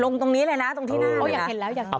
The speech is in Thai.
ลงตรงนี้เลยนะตรงที่หน้า